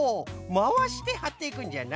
まわしてはっていくんじゃな。